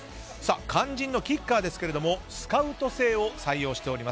肝心のキッカーですけれどもスカウト制を採用しています。